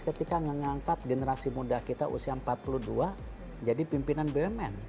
ketika mengangkat generasi muda kita usia empat puluh dua jadi pimpinan bumn